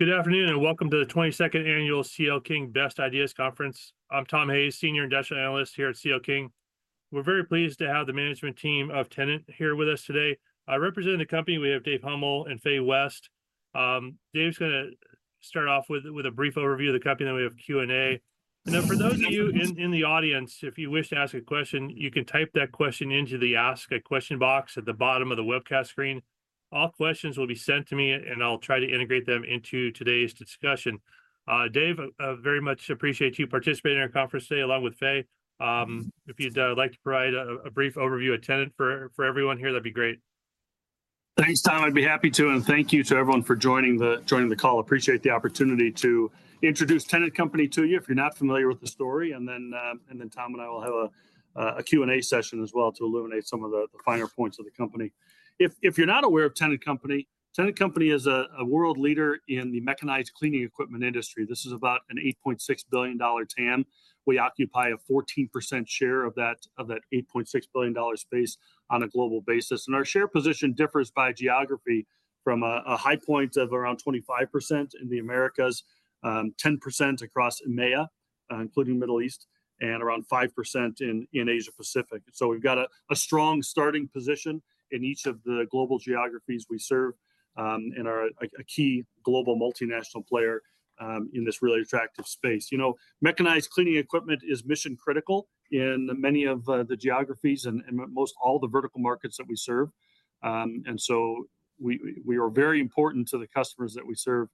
Good afternoon, and welcome to the twenty-second Annual CL King Best Ideas Conference. I'm Tom Hayes, Senior Industrial Analyst here at CL King. We're very pleased to have the management team of Tennant here with us today. Representing the company, we have Dave Huml and Fay West. Dave's gonna start off with a brief overview of the company, then we have Q&A. And then for those of you in the audience, if you wish to ask a question, you can type that question into the Ask a Question box at the bottom of the webcast screen. All questions will be sent to me, and I'll try to integrate them into today's discussion. Dave, I very much appreciate you participating in our conference today, along with Fay. If you'd like to provide a brief overview of Tennant for everyone here, that'd be great. Thanks, Tom. I'd be happy to, and thank you to everyone for joining the call. Appreciate the opportunity to introduce Tennant Company to you, if you're not familiar with the story, and then Tom and I will have a Q&A session as well to illuminate some of the finer points of the company. If you're not aware of Tennant Company, Tennant Company is a world leader in the mechanized cleaning equipment industry. This is about an $8.6 billion TAM. We occupy a 14% share of that $8.6 billion space on a global basis, and our share position differs by geography from a high point of around 25% in the Americas, 10% across EMEA, including Middle East, and around 5% in Asia Pacific. So we've got a strong starting position in each of the global geographies we serve, and are a key global multinational player, in this really attractive space. You know, mechanized cleaning equipment is mission critical in many of the geographies and most all the vertical markets that we serve. And so we are very important to the customers that we serve,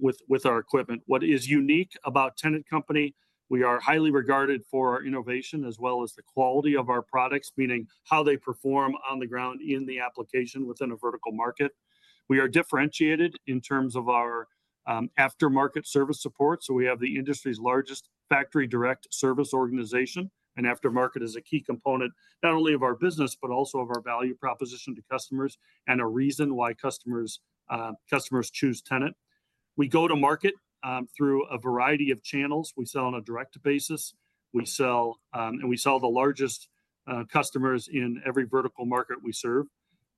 with our equipment. What is unique about Tennant Company, we are highly regarded for our innovation as well as the quality of our products, meaning how they perform on the ground in the application within a vertical market. We are differentiated in terms of our aftermarket service support, so we have the industry's largest factory direct service organization, and aftermarket is a key component not only of our business, but also of our value proposition to customers, and a reason why customers choose Tennant. We go to market through a variety of channels. We sell on a direct basis, and we sell to the largest customers in every vertical market we serve.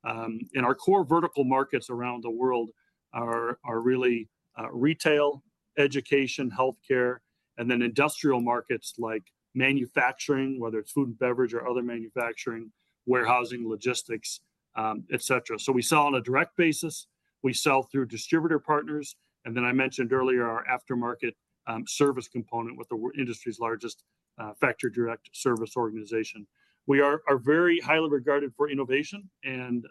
Our core vertical markets around the world are really retail, education, healthcare, and then industrial markets like manufacturing, whether it's food and beverage or other manufacturing, warehousing, logistics, et cetera. So we sell on a direct basis, we sell through distributor partners, and then I mentioned earlier, our aftermarket service component with the industry's largest factory direct service organization. We are very highly regarded for innovation and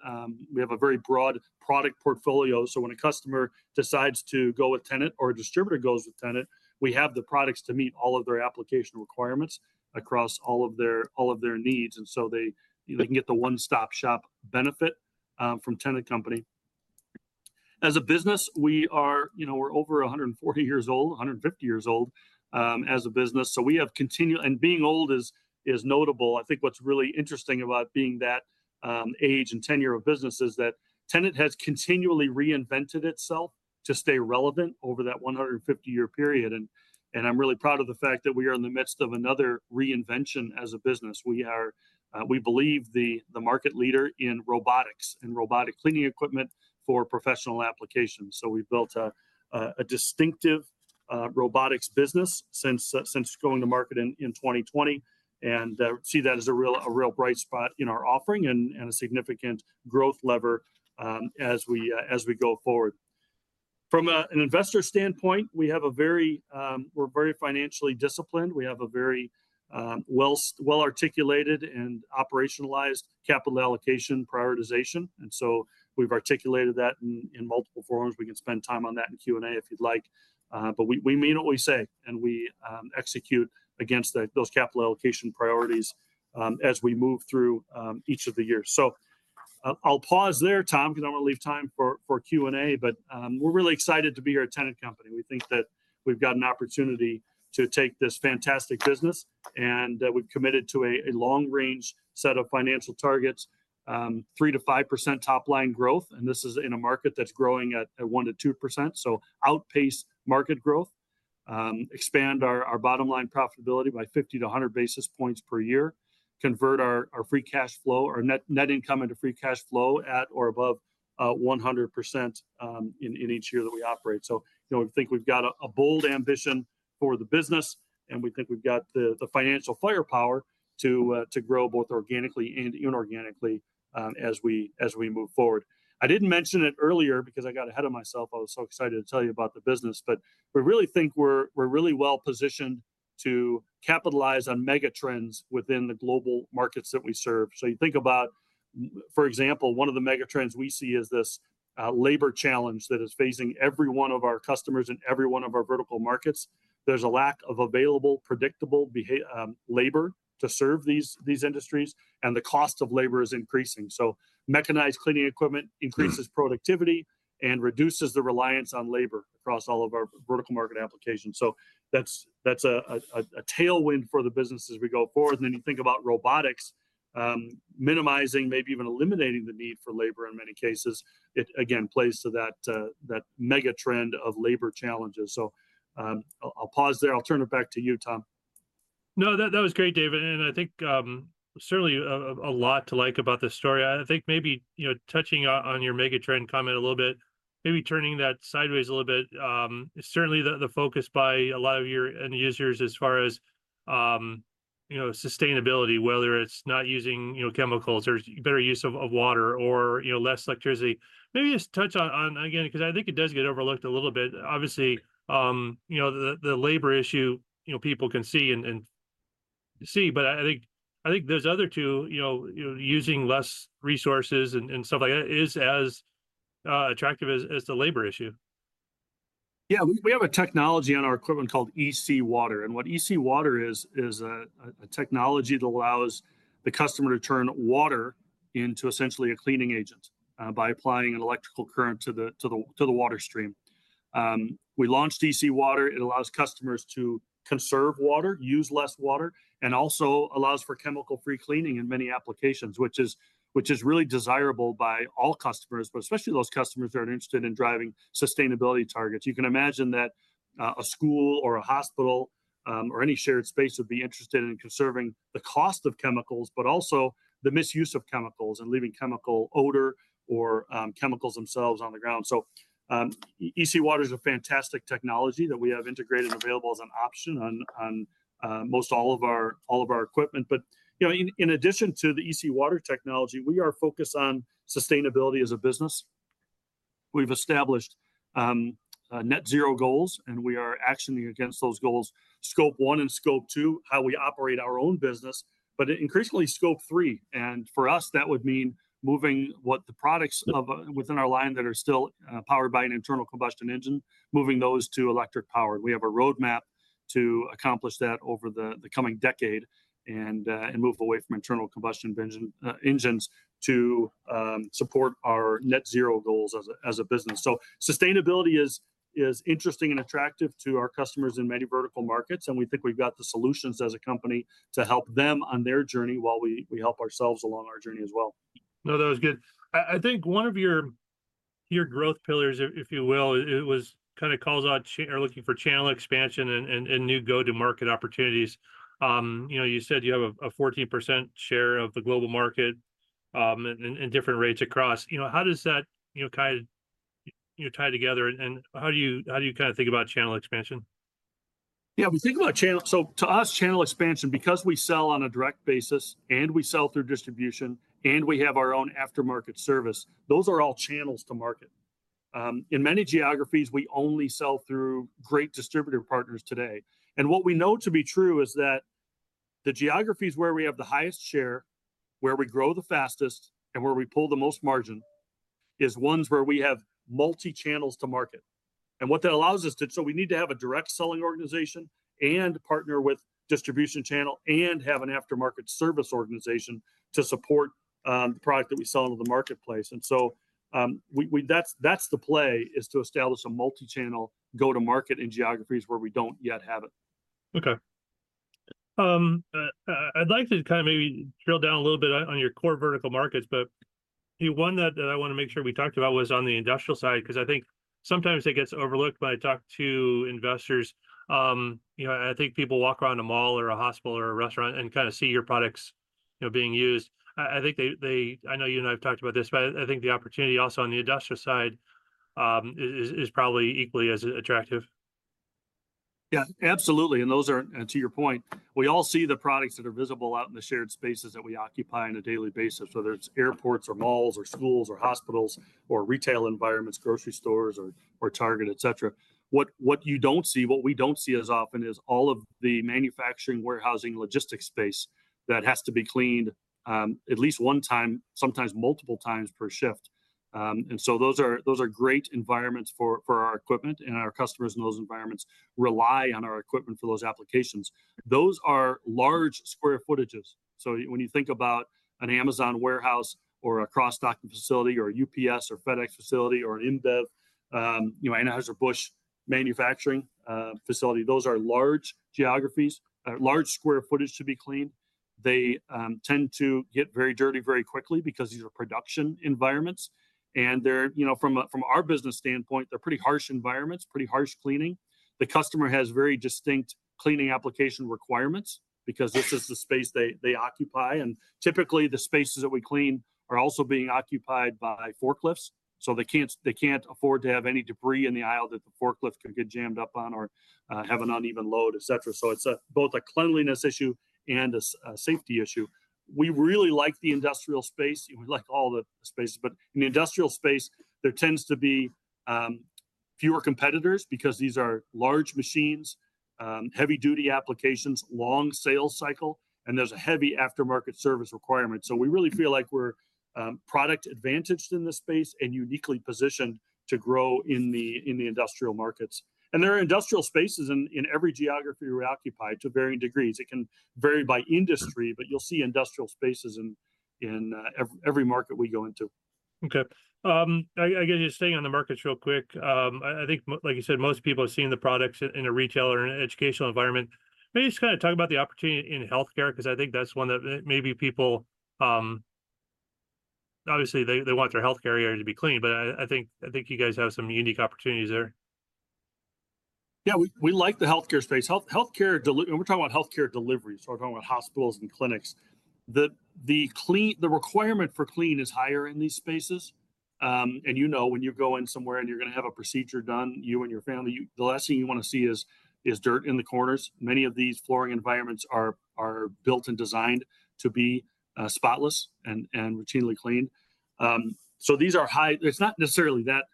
we have a very broad product portfolio, so when a customer decides to go with Tennant or a distributor goes with Tennant, we have the products to meet all of their application requirements across all of their needs. And so they can get the one-stop shop benefit from Tennant Company. As a business, we are, you know, we're over a 140 years old, a 150 years old as a business, so we have continued. Being old is notable. I think what's really interesting about being that age and tenure of business is that Tennant has continually reinvented itself to stay relevant over that 150-year period, and I'm really proud of the fact that we are in the midst of another reinvention as a business. We believe the market leader in robotics and robotic cleaning equipment for professional applications, so we've built a distinctive robotics business since going to market in 2020, and see that as a real bright spot in our offering and a significant growth lever as we go forward. From an investor standpoint, we're very financially disciplined. We have a very, well-articulated and operationalized capital allocation prioritization, and so we've articulated that in multiple forums. We can spend time on that in Q&A if you'd like, but we, we mean what we say, and we execute against those capital allocation priorities as we move through each of the years. So I'll pause there, Tom, 'cause I wanna leave time for Q&A, but we're really excited to be here at Tennant Company. We think that we've got an opportunity to take this fantastic business, and we've committed to a long-range set of financial targets, 3-5% top-line growth, and this is in a market that's growing at 1-2%, so outpace market growth. Expand our bottom-line profitability by 50-100 basis points per year. Convert our free cash flow, our net income into free cash flow at or above 100%, in each year that we operate. So you know, we think we've got a bold ambition for the business, and we think we've got the financial firepower to grow both organically and inorganically, as we move forward. I didn't mention it earlier because I got ahead of myself. I was so excited to tell you about the business, but we really think we're really well positioned to capitalize on mega trends within the global markets that we serve. You think about, for example, one of the mega trends we see is this labor challenge that is facing every one of our customers in every one of our vertical markets. There's a lack of available, predictable labor to serve these industries, and the cost of labor is increasing. So mechanized cleaning equipment increases productivity and reduces the reliance on labor across all of our vertical market applications. So that's a tailwind for the business as we go forward. And then you think about robotics, minimizing, maybe even eliminating the need for labor in many cases. It again plays to that mega trend of labor challenges. So I'll pause there. I'll turn it back to you, Tom. No, that, that was great, David, and I think certainly a lot to like about this story. I think maybe, you know, touching on your mega trend comment a little bit, maybe turning that sideways a little bit, certainly the focus by a lot of your end users as far as, you know, sustainability, whether it's not using, you know, chemicals or better use of water or, you know, less electricity. Maybe just touch on again, 'cause I think it does get overlooked a little bit. Obviously, you know, the labor issue, you know, people can see and see, but I think those other two, you know, using less resources and stuff like that is as attractive as the labor issue. Yeah. We have a technology on our equipment called EC-Water, and what EC-Water is, is a technology that allows the customer to turn water into essentially a cleaning agent by applying an electrical current to the water stream. We launched EC-Water. It allows customers to conserve water, use less water, and also allows for chemical-free cleaning in many applications, which is really desirable by all customers, but especially those customers that are interested in driving sustainability targets. You can imagine that a school or a hospital or any shared space would be interested in conserving the cost of chemicals, but also the misuse of chemicals and leaving chemical odor or chemicals themselves on the ground. EC-Water's a fantastic technology that we have integrated and available as an option on most all of our equipment. But, you know, in addition to the EC-Water technology, we are focused on sustainability as a business. We've established net zero goals, and we are actioning against those goals, Scope 1 and Scope 2, how we operate our own business, but increasingly Scope 3, and for us, that would mean moving the products within our line that are still powered by an internal combustion engine, moving those to electric powered. We have a roadmap to accomplish that over the coming decade, and move away from internal combustion engine engines to support our net zero goals as a business. Sustainability is interesting and attractive to our customers in many vertical markets, and we think we've got the solutions as a company to help them on their journey while we help ourselves along our journey as well. No, that was good. I think one of your growth pillars, if you will, it was kind of calls out channel or looking for channel expansion and new go-to-market opportunities. You know, you said you have a 14% share of the global market, and different rates across. You know, how does that kind of tie together, and how do you think about channel expansion? Yeah, we think about channel. So to us, channel expansion, because we sell on a direct basis, and we sell through distribution, and we have our own aftermarket service, those are all channels to market. In many geographies, we only sell through great distributor partners today, and what we know to be true is that the geographies where we have the highest share, where we grow the fastest, and where we pull the most margin, is ones where we have multi-channels to market. What that allows us to do is we need to have a direct selling organization and partner with distribution channel and have an aftermarket service organization to support the product that we sell into the marketplace. So we, that's the play, is to establish a multi-channel go-to-market in geographies where we don't yet have it. Okay. I'd like to kind of maybe drill down a little bit on your core vertical markets, but the one that I wanna make sure we talked about was on the industrial side, 'cause I think sometimes it gets overlooked when I talk to investors. You know, and I think people walk around a mall or a hospital or a restaurant and kind of see your products, you know, being used. I think they I know you and I have talked about this, but I think the opportunity also on the industrial side is probably equally as attractive. Yeah, absolutely, and those are, and to your point, we all see the products that are visible out in the shared spaces that we occupy on a daily basis, whether it's airports or malls or schools or hospitals or retail environments, grocery stores or, or Target, et cetera. What, what you don't see, what we don't see as often, is all of the manufacturing, warehousing, logistics space that has to be cleaned, at least one time, sometimes multiple times per shift, and so those are, those are great environments for, for our equipment, and our customers in those environments rely on our equipment for those applications. Those are large square footages. So when you think about an Amazon warehouse or a cross-docking facility or a UPS or FedEx facility or an InBev, you know, Anheuser-Busch manufacturing facility, those are large geographies, large square footage to be cleaned. They tend to get very dirty very quickly because these are production environments, and they're, you know, from our business standpoint, they're pretty harsh environments, pretty harsh cleaning. The customer has very distinct cleaning application requirements because this is the space they occupy, and typically, the spaces that we clean are also being occupied by forklifts, so they can't afford to have any debris in the aisle that the forklift could get jammed up on or have an uneven load, et cetera. So it's both a cleanliness issue and a safety issue. We really like the industrial space. We like all the spaces, but in the industrial space, there tends to be fewer competitors because these are large machines, heavy-duty applications, long sales cycle, and there's a heavy aftermarket service requirement. So we really feel like we're product advantaged in this space and uniquely positioned to grow in the industrial markets. And there are industrial spaces in every geography we're occupied to varying degrees. It can vary by industry, but you'll see industrial spaces in every market we go into. Okay. I guess just staying on the markets real quick. I think like you said, most people have seen the products in a retail or an educational environment. Maybe just kind of talk about the opportunity in healthcare, 'cause I think that's one that maybe people obviously they want their healthcare area to be clean, but I think you guys have some unique opportunities there. Yeah, we like the healthcare space. Healthcare delivery and we're talking about healthcare delivery, so we're talking about hospitals and clinics. The requirement for cleaning is higher in these spaces and you know, when you go in somewhere and you're gonna have a procedure done, you and your family, the last thing you wanna see is dirt in the corners. Many of these flooring environments are built and designed to be spotless and routinely cleaned. So these are high. It's not necessarily that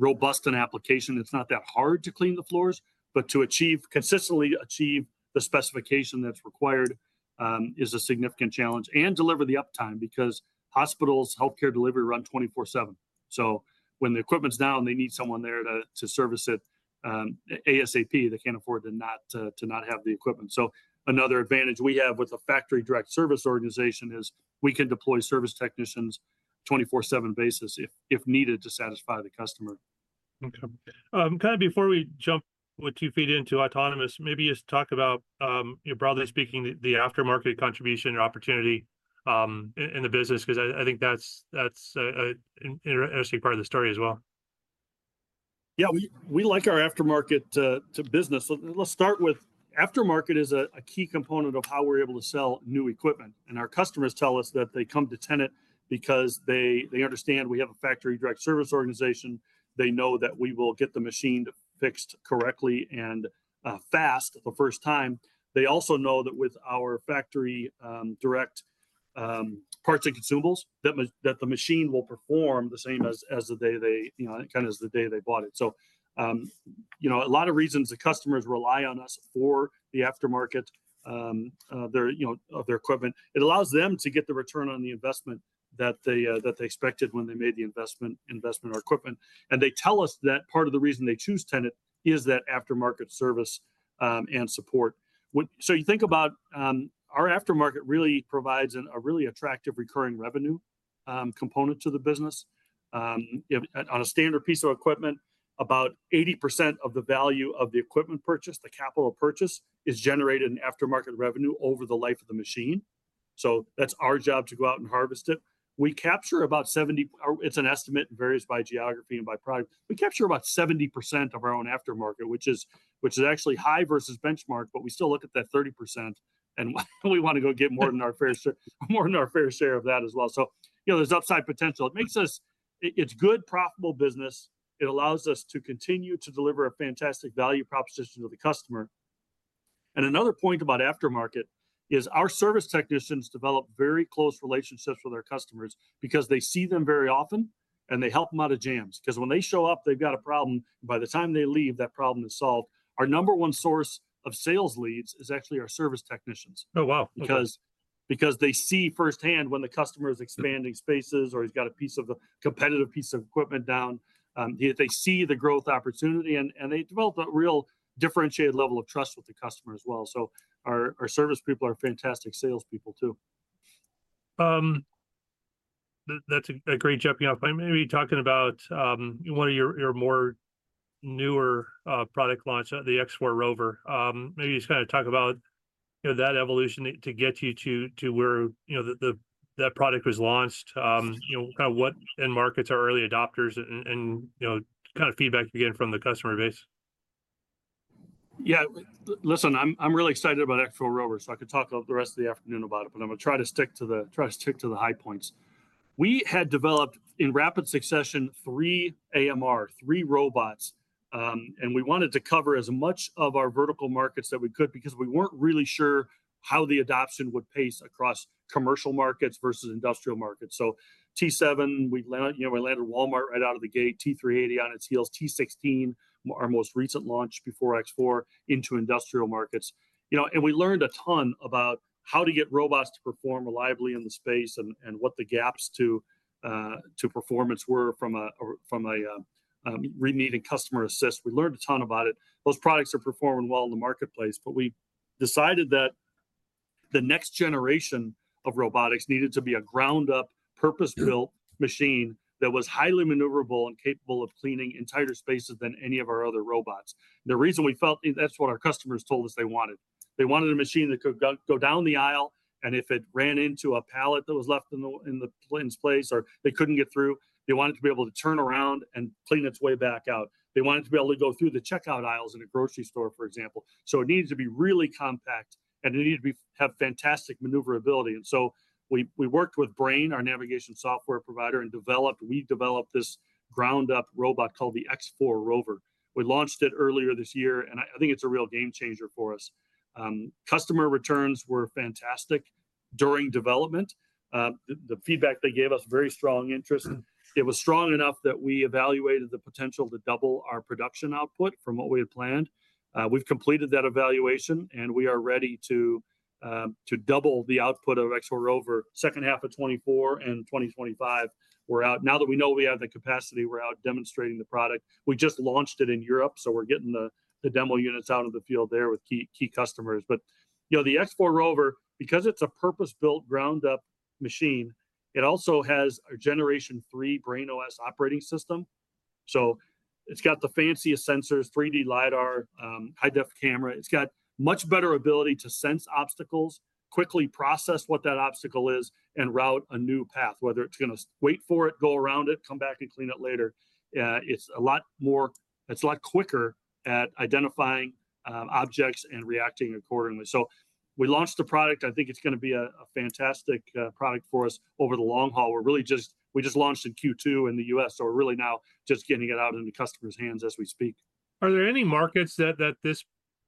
robust an application, it's not that hard to clean the floors, but to consistently achieve the specification that's required is a significant challenge and deliver the uptime, because hospitals, healthcare delivery, run 24/7. So when the equipment's down, they need someone there to service it ASAP. They can't afford to not have the equipment. So another advantage we have with a factory direct service organization is we can deploy service technicians 24/7 basis, if needed, to satisfy the customer. Okay. Kind of before we jump with two feet into autonomous, maybe just talk about, you know, broadly speaking, the aftermarket contribution or opportunity in the business. 'Cause I think that's a interesting part of the story as well. Yeah, we like our aftermarket business. Let's start with aftermarket is a key component of how we're able to sell new equipment, and our customers tell us that they come to Tennant because they understand we have a factory direct service organization. They know that we will get the machine fixed correctly and fast the first time. They also know that with our factory direct parts and consumables, that the machine will perform the same as the day they, you know, kind of as the day they bought it. So, you know, a lot of reasons the customers rely on us for the aftermarket of their equipment. It allows them to get the return on the investment that they expected when they made the investment on our equipment. They tell us that part of the reason they choose Tennant is that aftermarket service and support. So you think about our aftermarket really provides a really attractive recurring revenue component to the business. You know, on a standard piece of equipment, about 80% of the value of the equipment purchase, the capital purchase, is generated in aftermarket revenue over the life of the machine. So that's our job to go out and harvest it. We capture about 70%. It's an estimate, and varies by geography and by product. We capture about 70% of our own aftermarket, which is actually high versus benchmark, but we still look at that 30%, and we wanna go get more than our fair share, more than our fair share of that as well. So, you know, there's upside potential. It's good, profitable business. It allows us to continue to deliver a fantastic value proposition to the customer. And another point about aftermarket is our service technicians develop very close relationships with our customers because they see them very often, and they help 'em out of jams. 'Cause when they show up, they've got a problem, by the time they leave, that problem is solved. Our number one source of sales leads is actually our service technicians. Oh, wow. Because they see firsthand when the customer is expanding spaces, or he's got a piece of a competitive piece of equipment down. They see the growth opportunity, and they develop a real differentiated level of trust with the customer as well. So our service people are fantastic sales people, too. That's a great jumping-off point. Maybe talking about one of your more newer product launch, the X4 ROVER. Maybe just kind of talk about, you know, that evolution to get you to where, you know, that product was launched. You know, kind of what end markets are early adopters and, you know, kind of feedback you're getting from the customer base. Yeah. Listen, I'm really excited about X4 ROVER, so I could talk about the rest of the afternoon about it, but I'm gonna try to stick to the high points. We had developed, in rapid succession, three AMR, three robots. And we wanted to cover as much of our vertical markets that we could, because we weren't really sure how the adoption would pace across commercial markets versus industrial markets. So T7, we landed, you know, we landed Walmart right out of the gate, T380 on its heels. T16, our most recent launch before X4 ROVER, into industrial markets. You know, and we learned a ton about how to get robots to perform reliably in the space and what the gaps to performance were from a or from a we need a customer assist. We learned a ton about it. Those products are performing well in the marketplace, but we decided that the next generation of robotics needed to be a ground-up, purpose-built machine that was highly maneuverable and capable of cleaning in tighter spaces than any of our other robots. The reason we felt, that's what our customers told us they wanted. They wanted a machine that could go down the aisle, and if it ran into a pallet that was left in the place, or they couldn't get through, they wanted to be able to turn around and clean its way back out. They wanted to be able to go through the checkout aisles in a grocery store, for example. So it needed to be really compact, and it needed to be, have fantastic maneuverability. And so we worked with Brain, our navigation software provider, and we developed this ground-up robot called the X4 ROVER. We launched it earlier this year, and I think it's a real game changer for us. Customer returns were fantastic during development. The feedback they gave us, very strong interest. It was strong enough that we evaluated the potential to double our production output from what we had planned. We've completed that evaluation, and we are ready to double the output of X4 ROVER second half of 2024 and 2025. Now that we know we have the capacity, we're out demonstrating the product. We just launched it in Europe, so we're getting the demo units out of the field there with key customers, but you know, the X4 ROVER, because it's a purpose-built, ground-up machine, it also has a Generation 3 BrainOS operating system, so it's got the fanciest sensors, 3D LiDAR, high-def camera. It's got much better ability to sense obstacles, quickly process what that obstacle is, and route a new path, whether it's gonna wait for it, go around it, come back and clean it later. It's a lot quicker at identifying objects and reacting accordingly. So we launched the product. I think it's gonna be a fantastic product for us over the long haul. We just launched in Q2 in the US, so we're really now just getting it out into customers' hands as we speak. Are there any markets that this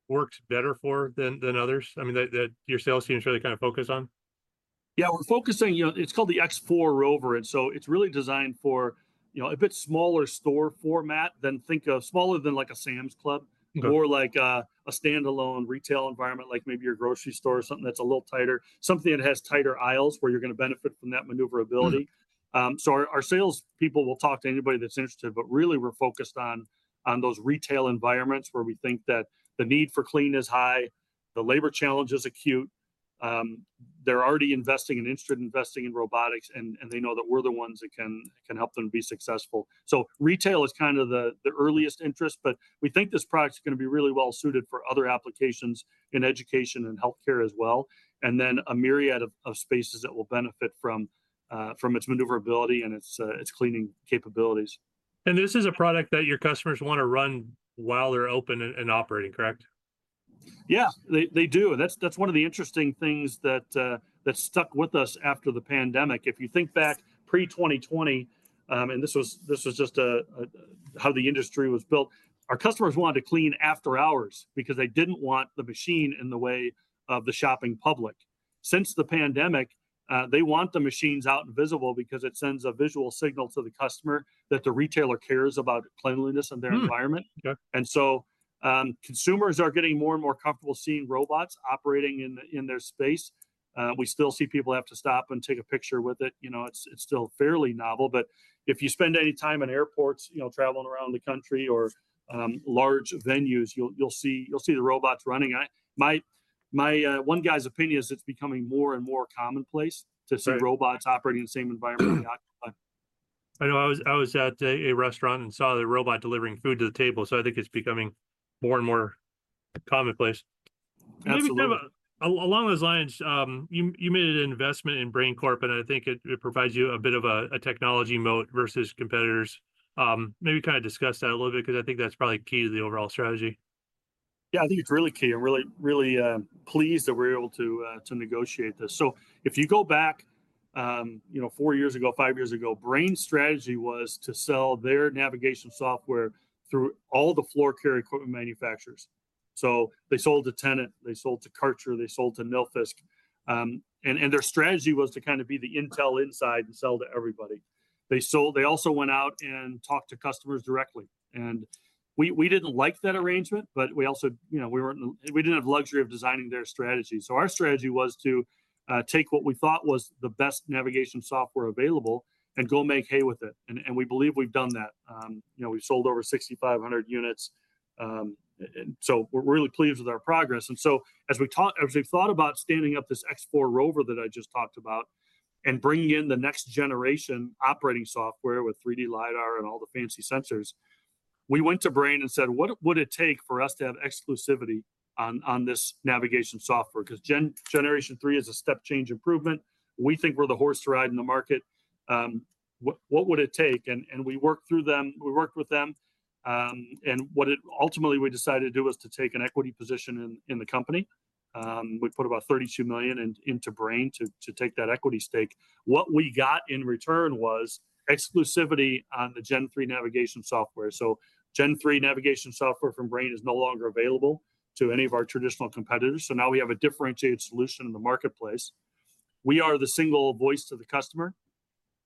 works better for than others, I mean, that your sales team is really kind of focused on? Yeah, we're focusing, you know, it's called the X4 ROVER, and so it's really designed for, you know, a bit smaller store format than think of smaller than like a Sam's Club. Okay More like a standalone retail environment, like maybe your grocery store or something that's a little tighter, something that has tighter aisles, where you're gonna benefit from that maneuverability. So our sales people will talk to anybody that's interested, but really, we're focused on those retail environments, where we think that the need for clean is high, the labor challenge is acute. They're already investing and interested in investing in robotics, and they know that we're the ones that can help them be successful. So retail is kind of the earliest interest, but we think this product's gonna be really well-suited for other applications in education and healthcare as well, and then a myriad of spaces that will benefit from its maneuverability and its cleaning capabilities. This is a product that your customers wanna run while they're open and operating, correct? Yeah, they, they do, and that's, that's one of the interesting things that that stuck with us after the pandemic. If you think back pre-2020, and this was, this was just, how the industry was built, our customers wanted to clean after hours because they didn't want the machine in the way of the shopping public. Since the pandemic, they want the machines out and visible because it sends a visual signal to the customer that the retailer cares about cleanliness Hmm and their environment. And so, consumers are getting more and more comfortable seeing robots operating in their space. We still see people have to stop and take a picture with it. You know, it's still fairly novel, but if you spend any time in airports, you know, traveling around the country or large venues, you'll see the robots running. In my one guy's opinion is it's becoming more and more commonplace to see robots operating in the same environment I occupy. I know I was at a restaurant and saw the robot delivering food to the table, so I think it's becoming more and more commonplace. Maybe kind of along those lines, you made an investment in Brain Corp, and I think it provides you a bit of a technology moat versus competitors. Maybe kind of discuss that a little bit, 'cause I think that's probably key to the overall strategy. Yeah, I think it's really key. I'm really, really pleased that we were able to negotiate this. So if you go back, you know, four years ago, five years ago, Brain's strategy was to sell their navigation software through all the floor care equipment manufacturers. So they sold to Tennant, they sold to Kärcher, they sold to Nilfisk, and their strategy was to kind of be the Intel inside and sell to everybody. They also went out and talked to customers directly, and we didn't like that arrangement, but we also, you know, we didn't have the luxury of designing their strategy. So our strategy was to take what we thought was the best navigation software available and go make hay with it, and we believe we've done that. You know, we've sold over 6,500 units, and so we're really pleased with our progress. And so, as we've thought about standing up this X4 ROVER that I just talked about and bringing in the next generation operating software with 3D LiDAR and all the fancy sensors, we went to Brain and said: "What would it take for us to have exclusivity on this navigation software? 'Cause generation three is a step change improvement. We think we're the horse to ride in the market. What would it take?" And we worked with them, and ultimately what we decided to do was to take an equity position in the company. We put about $32 million into Brain to take that equity stake. What we got in return was exclusivity on the Gen III navigation software. Gen III navigation software from Brain is no longer available to any of our traditional competitors, so now we have a differentiated solution in the marketplace. We are the single voice to the customer,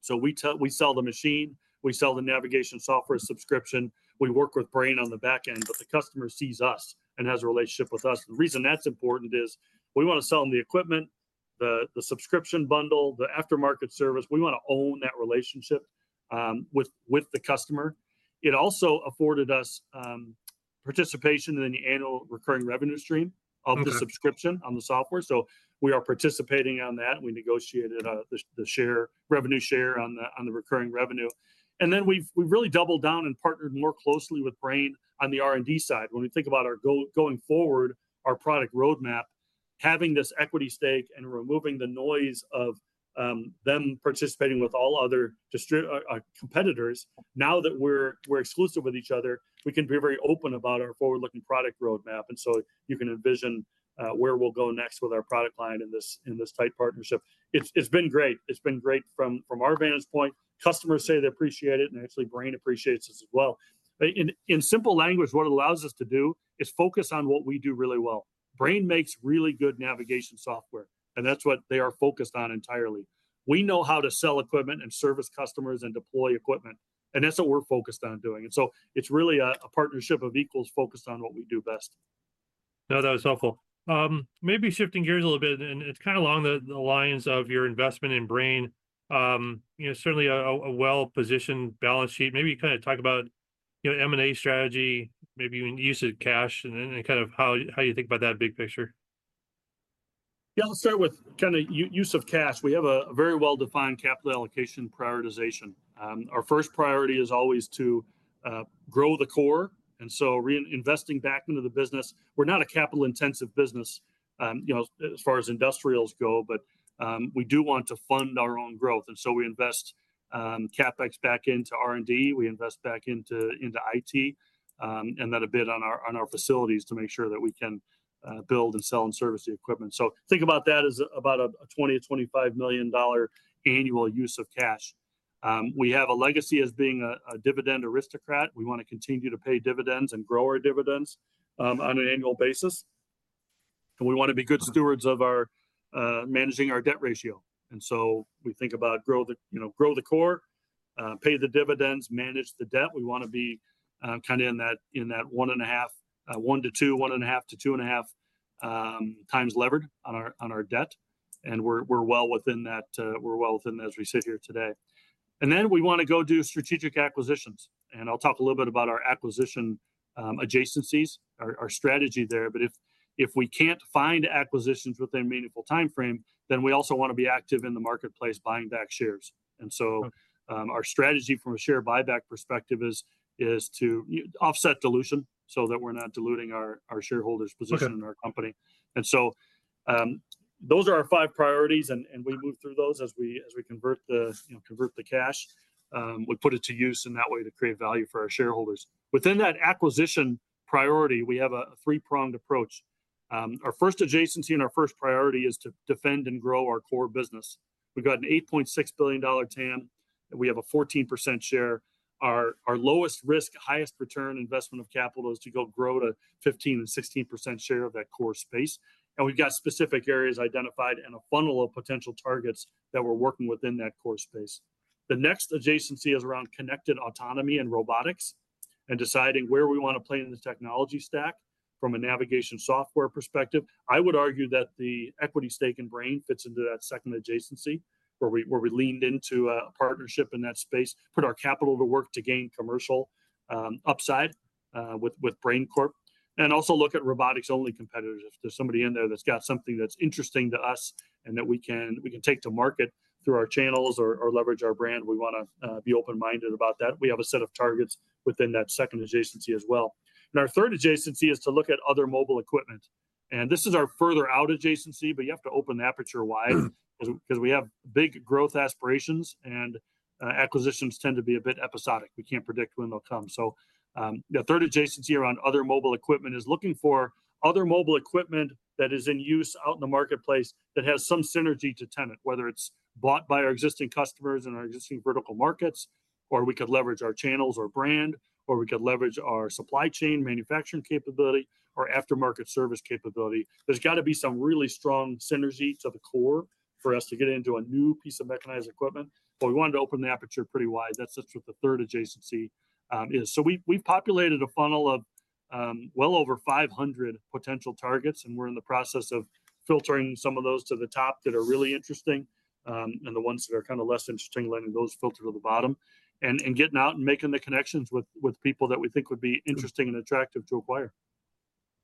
so we sell the machine, we sell the navigation software subscription, we work with Brain on the back end, but the customer sees us and has a relationship with us. The reason that's important is we wanna sell 'em the equipment, the subscription bundle, the aftermarket service. We wanna own that relationship with the customer. It also afforded us participation in the annual recurring revenue stream of the subscription on the software, so we are participating on that. We negotiated the share, revenue share on the recurring revenue. And then we've really doubled down and partnered more closely with Brain on the R&D side. When we think about our goal, going forward, our product roadmap, having this equity stake and removing the noise of them participating with all other competitors, now that we're exclusive with each other, we can be very open about our forward-looking product roadmap, and so you can envision where we'll go next with our product line in this tight partnership. It's been great. It's been great from our vantage point. Customers say they appreciate it, and actually, Brain appreciates us as well. In simple language, what it allows us to do is focus on what we do really well. Brain makes really good navigation software, and that's what they are focused on entirely. We know how to sell equipment and service customers and deploy equipment, and that's what we're focused on doing, and so it's really a partnership of equals focused on what we do best. No, that was helpful. Maybe shifting gears a little bit, and it's kinda along the lines of your investment in Brain, you know, certainly a well-positioned balance sheet. Maybe kind of talk about, you know, M&A strategy, maybe even use of cash and kind of how you think about that big picture. Yeah, I'll start with kinda use of cash. We have a very well-defined capital allocation prioritization. Our first priority is always to grow the core, and so reinvesting back into the business. We're not a capital-intensive business, you know, as far as industrials go, but we do want to fund our own growth, and so we invest CapEx back into R&D, we invest back into IT, and then a bit on our facilities to make sure that we can build and sell and service the equipment. So think about that as about a $20-25 million annual use of cash. We have a legacy as being a dividend aristocrat. We wanna continue to pay dividends and grow our dividends on an annual basis. We wanna be good stewards of our managing our debt ratio. We think about, you know, grow the core, pay the dividends, manage the debt. We wanna be kinda in that one to two, one and a half to two and a half times levered on our debt, and we're well within that. We're well within as we sit here today. We wanna go do strategic acquisitions, and I'll talk a little bit about our acquisition adjacencies, our strategy there. If we can't find acquisitions within meaningful timeframe, then we also wanna be active in the marketplace, buying back shares. And so our strategy from a share buyback perspective is to offset dilution, so that we're not diluting our shareholders' position Okay in our company. And so, those are our five priorities, and we move through those as we convert the cash, you know. We put it to use in that way to create value for our shareholders. Within that acquisition priority, we have a three-pronged approach. Our first adjacency and our first priority is to defend and grow our core business. We've got an $8.6 billion TAM, and we have a 14% share. Our lowest risk, highest return investment of capital is to go grow to 15% and 16% share of that core space, and we've got specific areas identified and a funnel of potential targets that we're working within that core space. The next adjacency is around connected autonomy and robotics, and deciding where we wanna play in the technology stack from a navigation software perspective. I would argue that the equity stake in Brain fits into that second adjacency, where we leaned into a partnership in that space, put our capital to work to gain commercial upside with Brain Corp. And also look at robotics-only competitors. If there's somebody in there that's got something that's interesting to us and that we can take to market through our channels or leverage our brand, we wanna be open-minded about that. We have a set of targets within that second adjacency as well. And our third adjacency is to look at other mobile equipment, and this is our further out adjacency, but you have to open the aperture wide 'cause we have big growth aspirations, and acquisitions tend to be a bit episodic. We can't predict when they'll come. So, the third adjacency around other mobile equipment is looking for other mobile equipment that is in use out in the marketplace that has some synergy to Tennant, whether it's bought by our existing customers in our existing vertical markets, or we could leverage our channels or brand, or we could leverage our supply chain manufacturing capability or aftermarket service capability. There's gotta be some really strong synergy to the core for us to get into a new piece of mechanized equipment, but we wanted to open the aperture pretty wide. That's just what the third adjacency is. So we, we've populated a funnel of, well over 500 potential targets, and we're in the process of filtering some of those to the top that are really interesting, and the ones that are kinda less interesting, letting those filter to the bottom. And getting out and making the connections with people that we think would be interesting and attractive to acquire.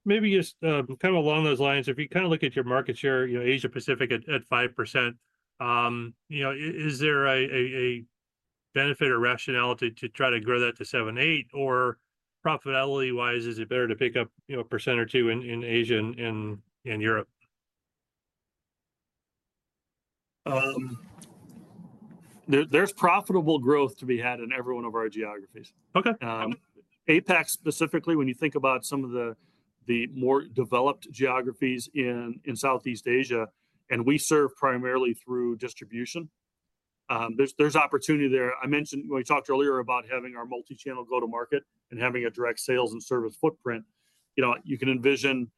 Maybe just, kind of along those lines, if you kinda look at your market share, you know, Asia Pacific at 5%, you know, is there a benefit or rationality to try to grow that to seven, eight? Or profitability-wise, is it better to pick up, you know, 1% or 2% in Asia and Europe? There's profitable growth to be had in every one of our geographies. Okay. Okay. APAC specifically, when you think about some of the more developed geographies in Southeast Asia, and we serve primarily through distribution, there's opportunity there. I mentioned we talked earlier about having our multi-channel go-to-market and having a direct sales and service footprint. You know, you can envision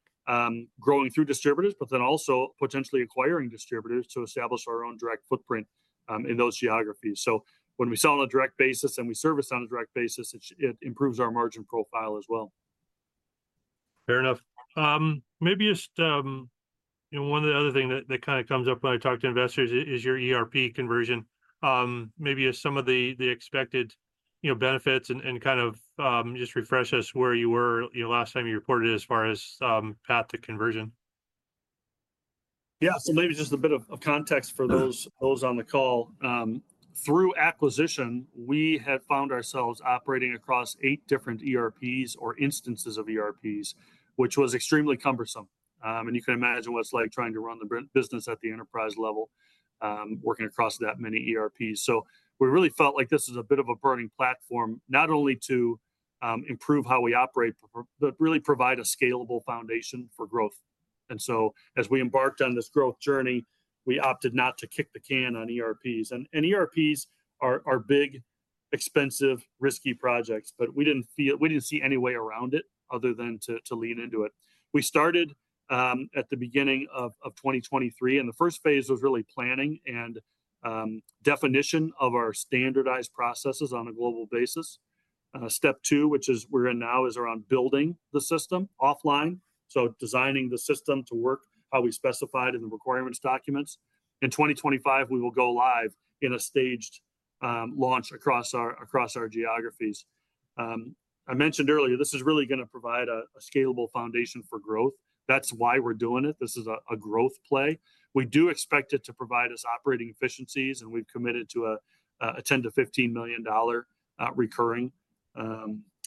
growing through distributors, but then also potentially acquiring distributors to establish our own direct footprint in those geographies. So when we sell on a direct basis and we service on a direct basis, it improves our margin profile as well. Fair enough. Maybe just, you know, one other thing that kinda comes up when I talk to investors is your ERP conversion. Maybe as some of the expected, you know, benefits and kind of just refresh us where you were, you know, last time you reported as far as path to conversion. Yeah, so maybe just a bit of, of context for those on the call. Through acquisition, we had found ourselves operating across eight different ERPs or instances of ERPs, which was extremely cumbersome. You can imagine what it's like trying to run the business at the enterprise level, working across that many ERPs. We really felt like this was a bit of a burning platform, not only to improve how we operate, but really provide a scalable foundation for growth. As we embarked on this growth journey, we opted not to kick the can on ERPs. ERPs are big, expensive, risky projects, but we didn't see any way around it other than to lean into it. We started at the beginning of 2023, and the first phase was really planning and definition of our standardized processes on a global basis. Step two, which is we're in now, is around building the system offline, so designing the system to work how we specified in the requirements documents. In 2025, we will go live in a staged launch across our geographies. I mentioned earlier, this is really gonna provide a scalable foundation for growth. That's why we're doing it. This is a growth play. We do expect it to provide us operating efficiencies, and we've committed to a $10-15 million recurring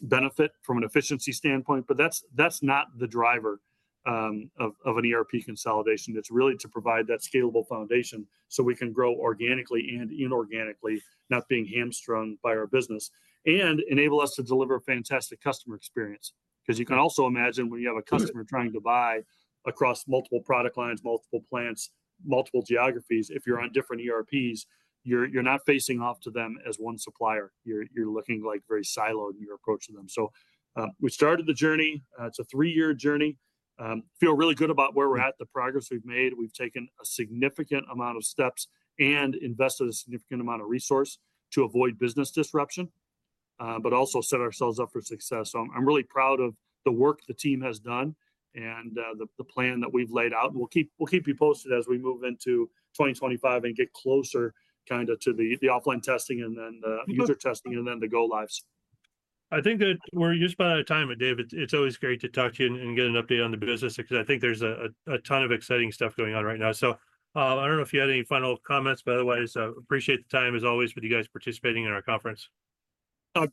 benefit from an efficiency standpoint, but that's not the driver of an ERP consolidation. It's really to provide that scalable foundation so we can grow organically and inorganically, not being hamstrung by our business, and enable us to deliver a fantastic customer experience. 'Cause you can also imagine when you have a customer trying to buy across multiple product lines, multiple plants, multiple geographies, if you're on different ERPs, you're not facing off to them as one supplier. You're looking, like, very siloed in your approach to them, so we started the journey. It's a three-year journey. We feel really good about where we're at, the progress we've made. We've taken a significant amount of steps and invested a significant amount of resource to avoid business disruption, but also set ourselves up for success, so I'm really proud of the work the team has done and the plan that we've laid out. We'll keep you posted as we move into 2025 and get closer kinda to the offline testing, and then the user testing, and then the go-lives. I think that we're just about out of time, but Dave, it's always great to talk to you and get an update on the business, because I think there's a ton of exciting stuff going on right now. So, I don't know if you had any final comments, but otherwise, appreciate the time, as always, with you guys participating in our conference.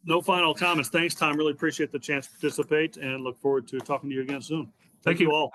No final comments. Thanks, Tom. Really appreciate the chance to participate, and look forward to talking to you again soon. Thank you all.